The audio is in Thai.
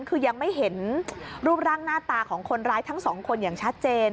คือยังไม่เห็นรูปร่างหน้าตาของคนร้ายทั้งสองคนอย่างชัดเจน